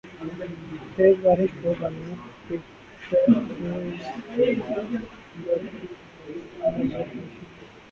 تیز بارش ہو گھنا پیڑ ہو اِک لڑکی ہوایسے منظر کبھی شہروں